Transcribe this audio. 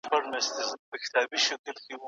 زه همدا اوس یوه مقاله لیکم.